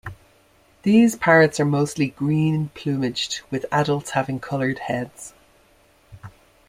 These parrots are mostly green plumaged, with adults having coloured heads.